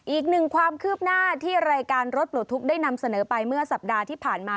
อีกหนึ่งความคืบหน้าที่รายการรถปลดทุกข์ได้นำเสนอไปเมื่อสัปดาห์ที่ผ่านมา